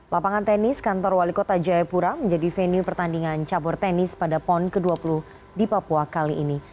lapangan tenis kantor wali kota jayapura menjadi venue pertandingan cabur tenis pada pon ke dua puluh di papua kali ini